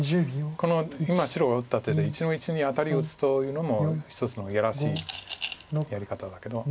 この今白が打った手で１の一にアタリを打つというのも一つのやらしいやり方だけど。